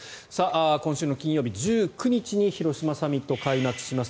今週の金曜日、１９日に広島サミット開幕します。